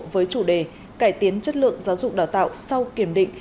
với chủ đề cải tiến chất lượng giáo dục đào tạo sau kiểm định